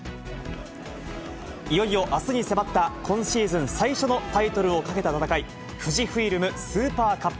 いよいよあすに迫った、今シーズン最初のタイトルをかけた戦い、富士フイルムスーパーカップ。